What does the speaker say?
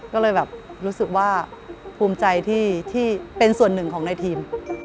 ก็เลยแบบรู้สึกว่าภูมิใจที่เป็นส่วนหนึ่งของในทีม